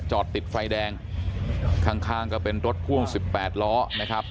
จอดติดไฟแดงข้างก็เป็นรถพ่วงสิบแปดล้อนะครับ